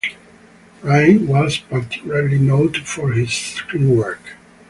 Prynne was particularly noted for his screen work.